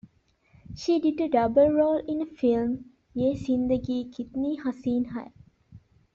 She did a double role in the film "Yeh Zindagi Kitni Haseen Hai".